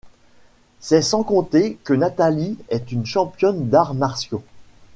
C’est sans compter que Nathalie est une championne d’arts martiaux!